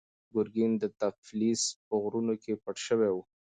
ګورګین د تفلیس په غرونو کې پټ شوی و.